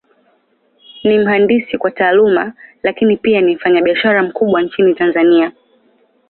Ni mhandisi kwa Taaluma, Lakini pia ni mfanyabiashara mkubwa Nchini Tanzania.